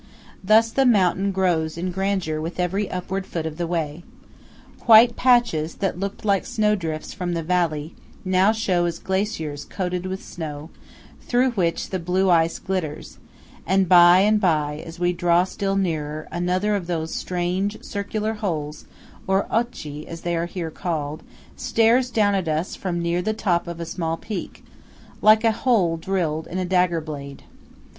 Thus the mountain grows in grandeur with every upward foot of the way. White patches that looked like snowdrifts from the valley, now show as glaciers coated with snow, through which the blue ice glitters; and by and by, as we draw still nearer, another of those strange circular holes, or "occhi" as they are here called, stares down at us from near the top of a small peak, like a hole drilled in a dagger blade.